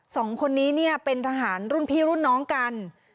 สองคนนี้เนี่ยเป็นทหารรุ่นพี่รุ่นน้องกัน